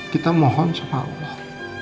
kita mohon sama allah